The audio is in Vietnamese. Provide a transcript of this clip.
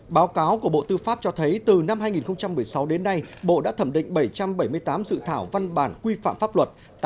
báo cáo của bộ tư pháp cho thấy từ năm hai nghìn một mươi sáu đến nay bộ đã thẩm định bảy trăm bảy mươi tám dự thảo văn bản quy phạm pháp luật